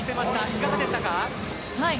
いかがでしたか？